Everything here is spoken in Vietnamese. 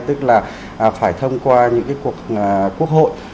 tức là phải thông qua những cái cuộc quốc hội